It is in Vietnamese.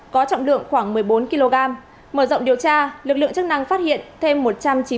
có trọng lượng khoảng một mươi bốn kg mở rộng điều tra lực lượng chức năng phát hiện thêm một trăm chín mươi sáu hộp pháo